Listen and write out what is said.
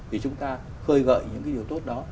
thì chúng ta khơi gợi những điều tốt đó